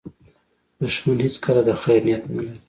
دښمن هیڅکله د خیر نیت نه لري